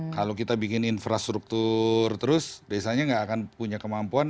kalau kita bikin infrastruktur terus desanya nggak akan punya kemampuan